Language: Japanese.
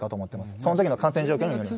そのときの感染状況にもよります。